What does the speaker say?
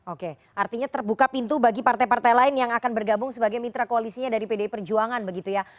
oke artinya terbuka pintu bagi partai partai lain yang akan bergabung sebagai mitra koalisinya dari pdi perjuangan begitu ya